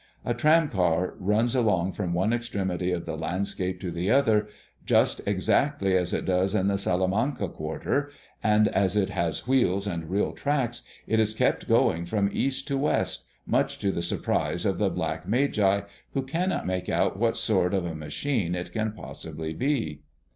A tram car runs along from one extremity of the landscape to the other, just exactly as it does in the Salamanca quarter; and as it has wheels and real tracks, it is kept going from east to west, much to the surprise of the black Magi, who cannot make out what sort of a machine it can possibly be.